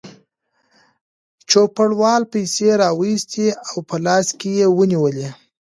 چوپړوال پیسې راوایستې او په لاس کې یې ونیولې.